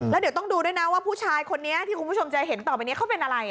แล้วเดี๋ยวต้องดูด้วยนะว่าผู้ชายคนนี้ที่คุณผู้ชมจะเห็นต่อไปนี้เขาเป็นอะไร